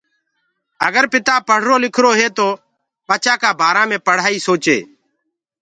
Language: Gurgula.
آگر پتآ پڙهرو لکرو هي تو ٻچآ ڪآ بآرآ مي پڙهآئي سوچي